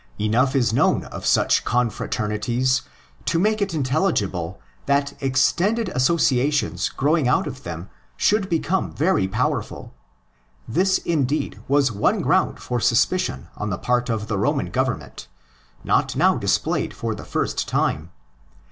Enough is known of such confraternities to make it intelligible that extended associations grow ing out of them should become very powerful. This, indeed, was one ground for suspicion on the part of the Roman government, not now displayed for the first time.